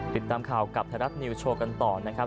ติดตามข่าวกับไทยรัฐนิวโชว์กันต่อนะครับ